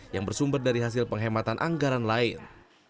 yang bersumber dari hasil penghematan anggaran lain